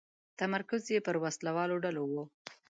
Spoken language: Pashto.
تمرکز یې پر وسله والو ډلو و.